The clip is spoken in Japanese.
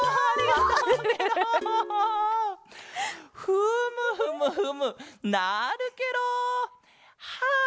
フムフムフムなるケロ！はあ